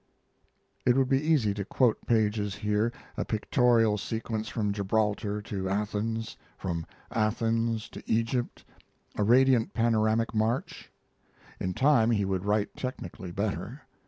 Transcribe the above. It would be easy to quote pages here a pictorial sequence from Gibraltar to Athens, from Athens to Egypt, a radiant panoramic march. In time he would write technically better.